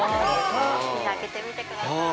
開けてみてください。